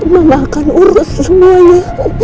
mama akan urus semuanya